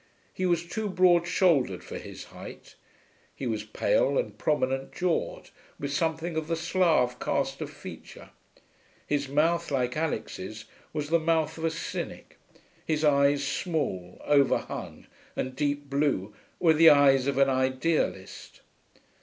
He was too broad shouldered for his height; he was pale and prominent jawed, with something of the Slav cast of feature; his mouth, like Alix's, was the mouth of a cynic; his eyes, small, overhung, and deep blue, were the eyes of an idealist.